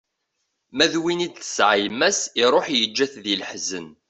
Ma d win i d-tesεa yemma-s, iruḥ yeǧǧa-t di leḥzen.